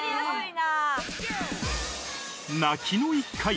泣きの１回！